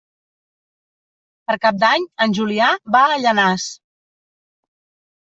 Per Cap d'Any en Julià va a Llanars.